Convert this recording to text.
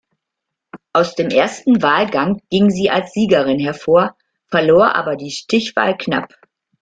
Aus dem ersten Wahlgang ging sie als Siegerin hervor, verlor aber die Stichwahl knapp.